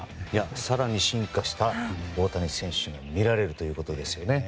更に進化した大谷選手が見られるということですね。